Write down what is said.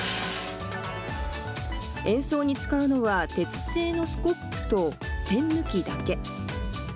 演奏に使うのは鉄製のスコップと栓抜きだけ。